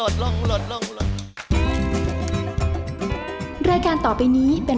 สวัสดีครับพ่อแม่ผีน้อง